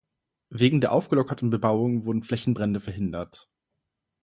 Wegen der aufgelockerten Bebauung wurden Flächenbrände verhindert.